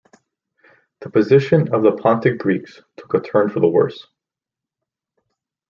The position of the Pontic Greeks took a turn for the worse.